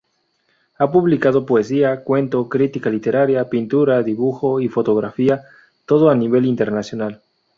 Ha publicado poesía, cuento, crítica literaria, pintura, dibujo y fotografía, todo a nivel internacional.